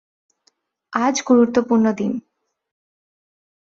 আজ গুরুত্বপূর্ন দিন।